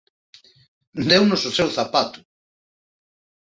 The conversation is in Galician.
Deunos o seu zapato!